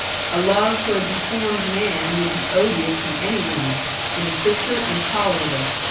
A love for a deformed man would be odious in any woman, in a sister intolerable.